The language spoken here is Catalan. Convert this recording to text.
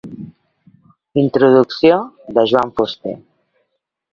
Introducció de Joan Fuster.